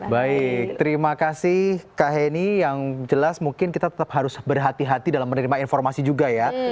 baik terima kasih kak heni yang jelas mungkin kita tetap harus berhati hati dalam menerima informasi juga ya